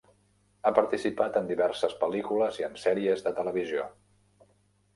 Ha participat en diverses pel·lícules i en sèries de televisió.